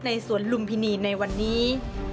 สวนลุมพินีในวันนี้